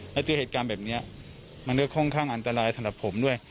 แล้วเจอเหตุการณ์แบบนี้มันก็ค่อนข้างอันตรายสำหรับผมด้วย